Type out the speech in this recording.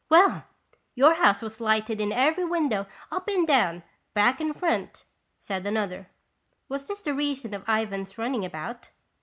"Well, your house was lighted in every window, up and down, back and front," said another. Was this the reason of Ivan's running about